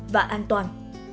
và an toàn